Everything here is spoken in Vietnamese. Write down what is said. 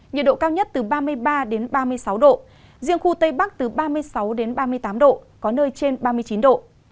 nhiệt độ cao nhất từ ba mươi ba ba mươi sáu độ riêng khu tây bắc từ ba mươi sáu đến ba mươi tám độ có nơi trên ba mươi chín độ